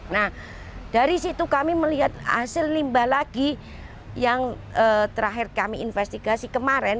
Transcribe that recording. nah dari situ kami melihat hasil limbah lagi yang terakhir kami investigasi kemarin